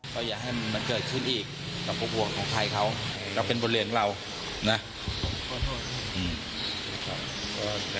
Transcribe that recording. อ๋อเราอยากให้มันเกิดขึ้นอีกกับบวกของไทยเขาเราเป็นบริเวณเรานะ